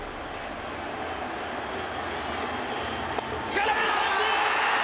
空振り三振！